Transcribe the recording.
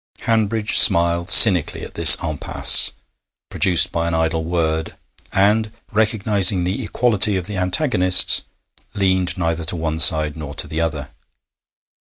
Hanbridge smiled cynically at this impasse produced by an idle word, and, recognising the equality of the antagonists, leaned neither to one side nor to the other.